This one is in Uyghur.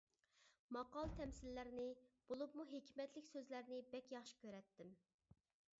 ماقال-تەمسىللەرنى، بولۇپمۇ ھېكمەتلىك سۆزلەرنى بەك ياخشى كۆرەتتىم.